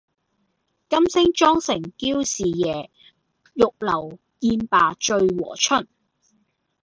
金星妝成嬌侍夜，玉樓宴罷醉和春。